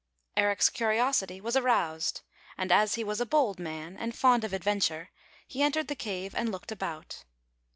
Eric's curiosity was aroused, and as he was a bold man and fond of adventnre, he entered the cave and looked about.